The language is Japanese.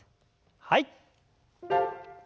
はい。